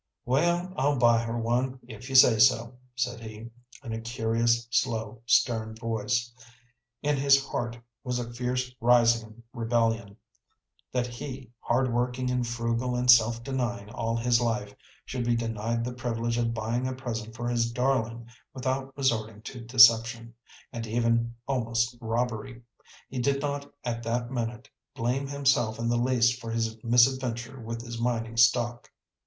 "Well, I'll buy her one if you say so," said he, in a curious, slow, stern voice. In his heart was a fierce rising of rebellion, that he, hard working and frugal and self denying all his life, should be denied the privilege of buying a present for his darling without resorting to deception, and even almost robbery. He did not at that minute blame himself in the least for his misadventure with his mining stock.